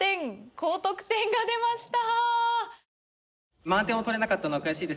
高得点が出ました。